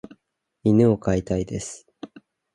犬を飼いたいです。